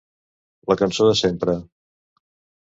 La cançó de sempre.